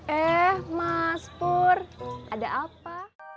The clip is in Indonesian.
eh mas pur ada apa